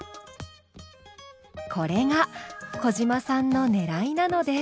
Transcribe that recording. これが小嶋さんのねらいなのです。